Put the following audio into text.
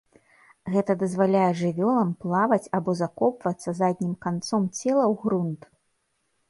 Гэта дазваляе жывёлам плаваць або закопвацца заднім канцом цела ў грунт.